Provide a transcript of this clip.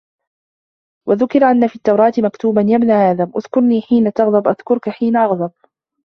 وَذُكِرَ أَنَّ فِي التَّوْرَاةِ مَكْتُوبًا يَا ابْنَ آدَمَ اُذْكُرْنِي حِينَ تَغْضَبُ أَذْكُرُك حِينَ أَغْضَبُ